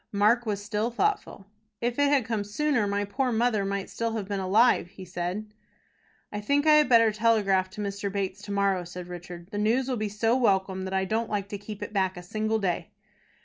Mark was still thoughtful. "If it had come sooner, my poor mother might still have been alive," he said. "I think I had better telegraph to Mr. Bates to morrow," said Richard. "The news will be so welcome that I don't like to keep it back a single day."